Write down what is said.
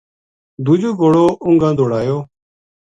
دوجو گھوڑو اُنگا دوڑایو